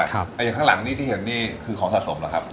อย่างข้างหลังนี้ที่เห็นนี่คือของสะสมเหรอครับ